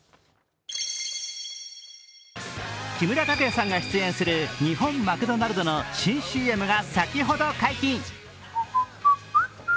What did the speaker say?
木村拓哉さんが出演する日本マクドナルドの新ＣＭが先ほど解禁。